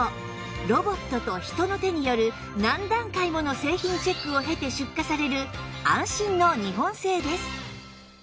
ロボットと人の手による何段階もの製品チェックを経て出荷される安心の日本製です